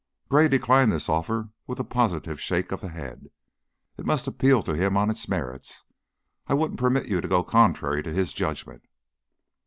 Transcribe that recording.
Gray declined this offer with a positive shake of the head. "It must appeal to him on its merits. I wouldn't permit you to go contrary to his judgment."